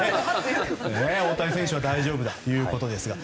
大谷選手は大丈夫だということですが。